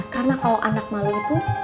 karena kalau anak malu itu